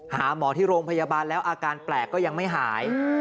หาหมอที่โรงพยาบาลแล้วอาการแปลกก็ยังไม่หาย